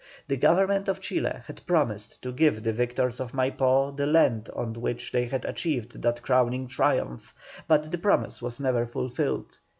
The Government of Chile had promised to give the victors of Maipó the land on which they had achieved that crowning triumph, but the promise was never fulfilled.